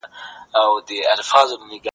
موږ بايد خپل سياسي حقوق په سمه توګه وپېژنو.